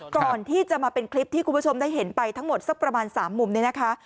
ก่อนที่จะมาเป็นคลิปที่คุณผู้ชมได้เห็นไปทั้งหมดสักประมาณ๓มุมเนี่ยนะคะ